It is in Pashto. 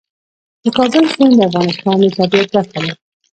د کابل سیند د افغانستان د طبیعت برخه ده.